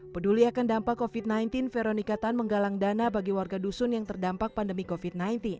peduli akan dampak covid sembilan belas veronica tan menggalang dana bagi warga dusun yang terdampak pandemi covid sembilan belas